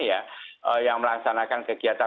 ya yang melaksanakan kegiatan